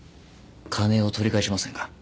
金を取り返しませんか？